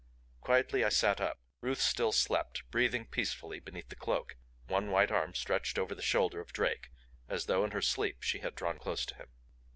Quietly I sat up; Ruth still slept, breathing peacefully beneath the cloak, one white arm stretched over the shoulder of Drake as though in her sleep she had drawn close to him.